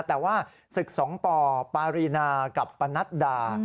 แต่ว่าศึกสองปปารีนากับปนัดดา